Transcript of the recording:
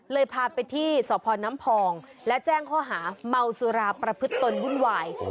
พาไปที่สพน้ำพองและแจ้งข้อหาเมาสุราประพฤติตนวุ่นวาย